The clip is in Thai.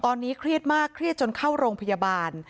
ตอนนี้เครียดมากเครียดจนเข้าโรงพยาบาล